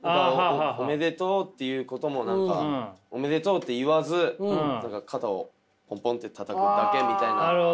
「おめでとう」って言うことも何か「おめでとう」って言わず何か肩をポンポンってたたくだけみたいな。